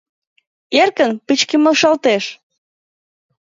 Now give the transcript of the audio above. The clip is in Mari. Эркын пычкемышалтеш.